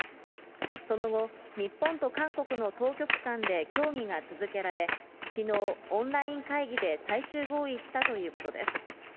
その後、日本と韓国の当局間で協議が続けられ、きのう、オンライン会議で最終合意したということです。